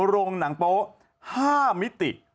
โรงหนังโป๊ะ๕มิติ